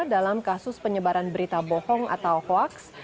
dalam kasus penyebaran berita bohong atau hoaks